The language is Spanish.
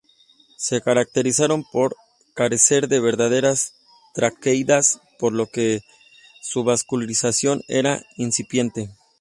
Se caracterizaron por carecer de verdaderas traqueidas, por lo que su vascularización era incipiente.